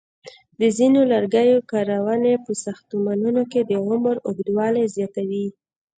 د ځینو لرګیو کارونې په ساختمانونو کې د عمر اوږدوالی زیاتوي.